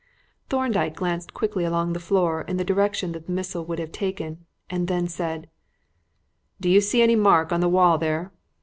Thorndyke glanced quickly along the floor in the direction that the missile would have taken, and then said "Do you see any mark on the wall there?"